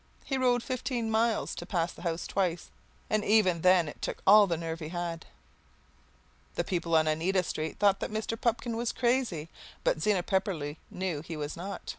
He rode fifteen miles to pass the house twice, and even then it took all the nerve that he had. The people on Oneida Street thought that Mr. Pupkin was crazy, but Zena Pepperleigh knew that he was not.